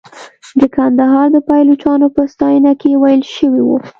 د کندهار د پایلوچانو په ستاینه کې ویل شوې وه.